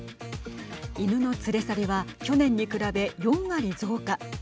犬の連れ去りは、去年に比べ４割増加。